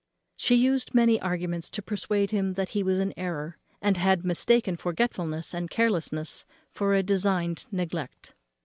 She used many arguments to persuade him that he was in an error, and had mistaken forgetfulness and carelessness for a designed neglect.